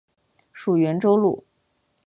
属袁州路。